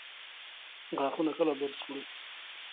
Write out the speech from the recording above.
غاښونه کله برس کړو؟